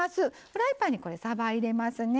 フライパンにさば入れますね。